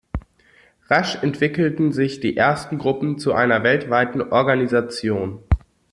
Rasch entwickelten sich die ersten Gruppen zu einer weltweiten Organisation.